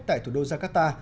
tại thủ đô jakarta